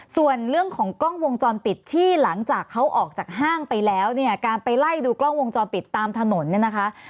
ส่วนเรื่องของกล้องวงจรปิดที่หลังจากเขาออกจากห้างไปแล้วเนี่ยการไปไล่ดูกล้องวงจรปิดตามถนนเนี่ยนะคะ